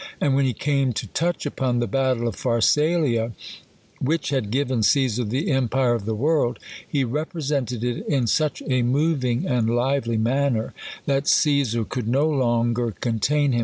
And when he came to touch upon the battle of Pharsalia, which had given Cesar the em pire of the world, he represented it in such a moving and lively manner, that Cesar could no longer contain him.